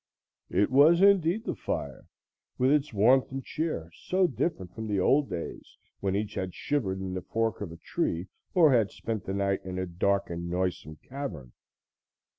It was indeed the fire, with its warmth and cheer, so different from the old days when each had shivered in the fork of a tree or had spent the night in a dark and noisome cavern.